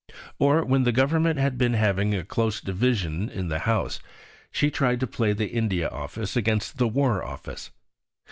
Or, when the Government had been having a close division in the House, she tried to play the India Office against the War Office.